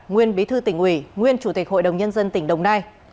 nguyên bí thư tỉnh ủy nguyên chủ tịch hội đồng nhân dân tỉnh đồng nai